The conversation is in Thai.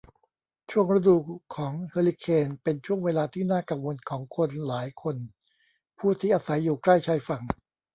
ช่วงฤดูของเฮอริเคนเป็นช่วงเวลาที่น่ากังวลของคนหลายคนผู้ที่อาศัยอยู่ใกล้ชายฝั่ง